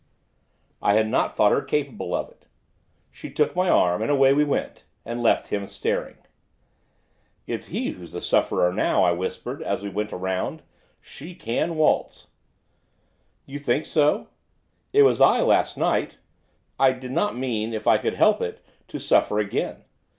I had not thought her capable of it. She took my arm, and away we went, and left him staring. 'It's he who's the sufferer now,' I whispered, as we went round, she can waltz! 'You think so? It was I last night, I did not mean, if I could help it, to suffer again.